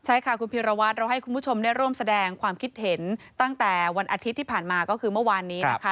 ใช่ค่ะคุณพีรวัตรเราให้คุณผู้ชมได้ร่วมแสดงความคิดเห็นตั้งแต่วันอาทิตย์ที่ผ่านมาก็คือเมื่อวานนี้นะคะ